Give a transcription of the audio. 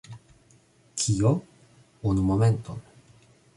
Kio? Unu momenton